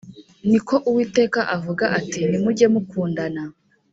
Ni ko Uwiteka avuga ati mujye mukundana